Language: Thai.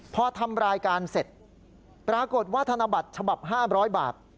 พอทำรายการเสร็จปรากฏว่าธนบัตรฉบับ๕๐๐บาท